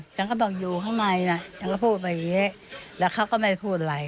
ฉันก็บอกอยู่ข้างในนะฉันก็พูดมาอย่างนี้แล้วเขาก็ไม่พูดอะไร